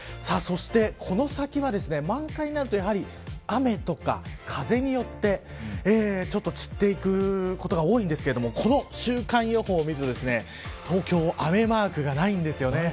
そして、この先は満開になるとやはり、雨とか風によってちょっと散っていくことが多いんですけれどもこの週間予報を見ると東京は雨マークがないんです。